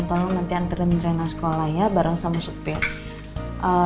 tolong nanti antre aja mbak bella